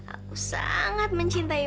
aku sangat mencintaimu